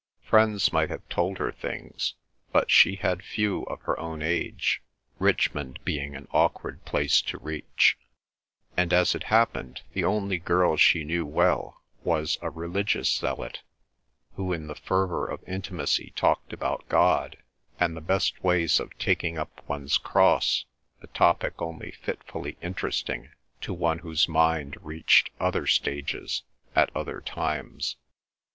Friends might have told her things, but she had few of her own age,—Richmond being an awkward place to reach,—and, as it happened, the only girl she knew well was a religious zealot, who in the fervour of intimacy talked about God, and the best ways of taking up one's cross, a topic only fitfully interesting to one whose mind reached other stages at other times.